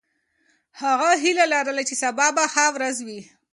هغه هیله لرله چې سبا به ښه ورځ وي.